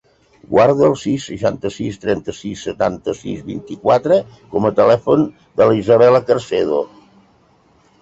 Guarda el sis, seixanta-sis, trenta-sis, setanta-sis, vint-i-quatre com a telèfon de l'Isabella Carcedo.